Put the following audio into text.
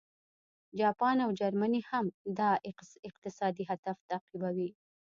جاپان او جرمني هم دا اقتصادي هدف تعقیبوي